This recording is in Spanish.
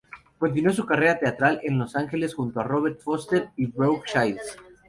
Continuó su carrera teatral en Los Ángeles junto a Robert Forster y Brooke Shields.